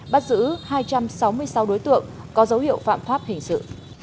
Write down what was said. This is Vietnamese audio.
bắt giữ hai trăm sáu mươi sáu đối tượng có dấu hiệu phạm pháp hình sự